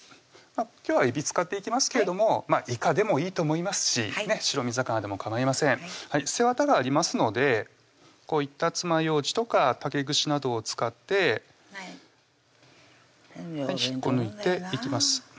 今日はえび使っていきますけれどもいかでもいいと思いますし白身魚でもかまいません背わたがありますのでこういったつまようじとか竹串などを使って引っこ抜いていきます